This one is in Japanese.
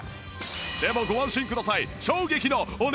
でもご安心ください